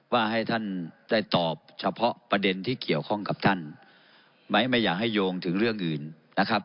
ว่าให้ท่านได้ตอบเฉพาะประเด็นที่เกี่ยวข้องกับท่านไหมไม่อยากให้โยงถึงเรื่องอื่นนะครับ